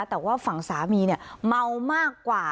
แต่ว่าฝั่งสามีเนี่ยเมามากกว่า